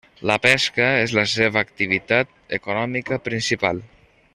La pesca és la seva activitat econòmica principal.